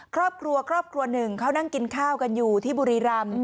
ครอบครัวครอบครัวหนึ่งเขานั่งกินข้าวกันอยู่ที่บุรีรำ